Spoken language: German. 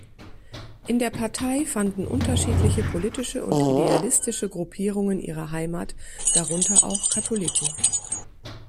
In der Partei fanden unterschiedliche politische und idealistische Gruppierungen ihre Heimat, darunter auch Katholiken.